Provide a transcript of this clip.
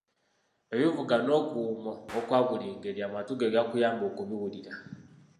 Ebivuga n'okuwuuma okwa buli ngeri, amatu ge gakuyamba okubiwulira.